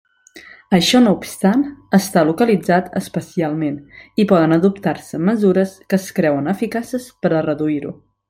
Això no obstant, està localitzat espacialment i poden adoptar-se mesures que es creuen eficaces per a reduir-ho.